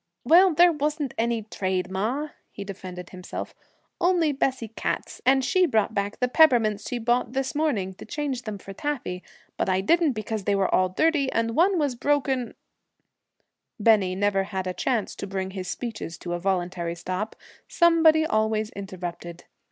'Well, there wasn't any trade, ma,' he defended himself, 'only Bessie Katz, and she brought back the peppermints she bought this morning, to change them for taffy, but I didn't because they were all dirty, and one was broken ' Bennie never had a chance to bring his speeches to a voluntary stop: somebody always interrupted.